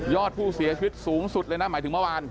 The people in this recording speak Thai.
อดผู้เสียชีวิตสูงสุดเลยนะหมายถึงเมื่อวาน